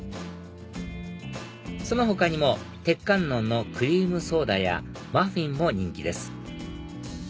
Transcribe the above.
その他にも鉄観音のクリームソーダやマフィンも人気です